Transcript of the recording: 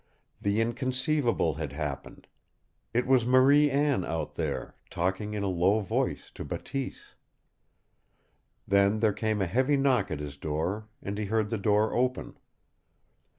The inconceivable had happened. It was Marie Anne out there, talking in a low voice to Bateese! Then there came a heavy knock at his door, and he heard the door open.